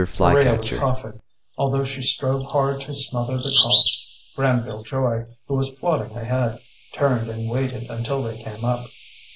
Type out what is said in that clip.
Maria was coughing, although she strove hard to smother the coughs. Granville Joy, who was plodding ahead, turned and waited until they came up.